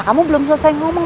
kamu belum selesai ngomong